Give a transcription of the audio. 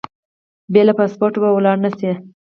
بې له پاسپورټه به ولاړ نه شې.